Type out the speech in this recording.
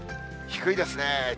低いですね。